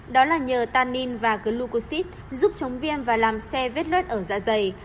đó là nhờ tannin và glucoside giúp chống viêm và làm xe vết lết ở dạ dày